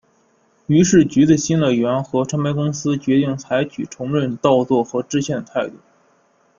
于是橘子新乐园和唱片公司决定采取承认盗作和致歉的态度。